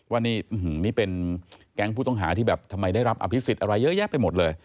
ว่านี่เป็นแก๊งผู้ต้องหาที่แบบทำไมได้รับอภิษฎอะไรเยอะแยะไปหมดเลย